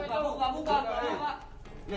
apa itu buka buka